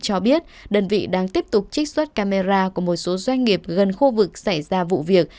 cho biết đơn vị đang tiếp tục trích xuất camera của một số doanh nghiệp gần khu vực xảy ra vụ việc